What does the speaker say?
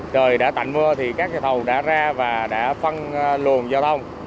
trời đã tạnh mưa thì các nhà thầu đã ra và đã phân luồng giao thông